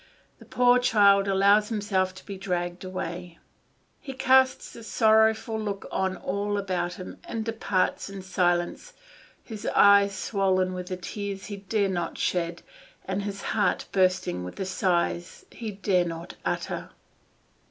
The poor child allows himself to be dragged away; he casts a sorrowful look on all about him, and departs in silence, his eyes swollen with the tears he dare not shed, and his heart bursting with the sighs he dare not utter.